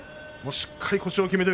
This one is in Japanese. しっかり腰をきめて。